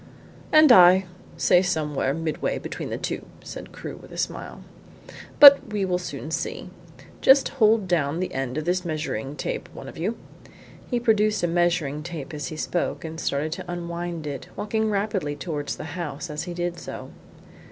"And I say somewhere midway between the two," said Crewe, with a smile. "But we will soon see. Just hold down the end of this measuring tape, one of you." He produced a measuring tape as he spoke, and started to unwind it, walking rapidly towards the house as he did so.